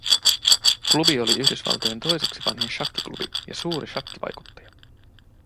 Klubi oli Yhdysvaltojen toiseksi vanhin shakkiklubi ja suuri shakkivaikuttaja